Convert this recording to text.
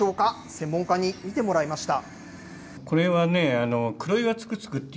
専門家に見てもらいました。